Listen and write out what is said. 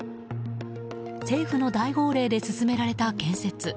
政府の大号令で進められた建設。